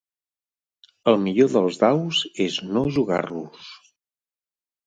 El millor dels daus és no jugar-los.